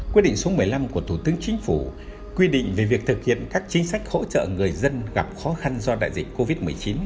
quyết định số một mươi năm của thủ tướng chính phủ quy định về việc thực hiện các chính sách hỗ trợ người dân gặp khó khăn do đại dịch covid một mươi chín